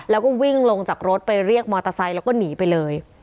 แล้วก็วิ่งลงจากรถไปเรียกมอเตอร์ไซค์แล้วก็หนีไปเลย